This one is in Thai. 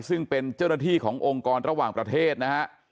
ซึ่งเป็นเจ้าหน้าที่ขององค์กรระหว่างประเทศนะฮะ